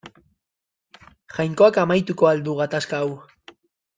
Jainkoak amaituko al du gatazka hau.